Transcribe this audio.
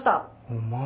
お前。